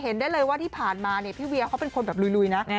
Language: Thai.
เห็นได้เลยว่าที่ผ่านมาเขาเป็นคนแบบลุยนะ